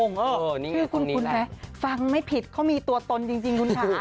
คือคุณภัยฟังไม่ผิดเค้ามีตัวตนจริงคุณค่ะ